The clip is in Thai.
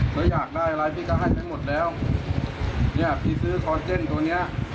อยากได้อะไรพี่ก็ให้ไปหมดแล้วเนี่ยพี่ซื้อซอนเจนตัวเนี้ย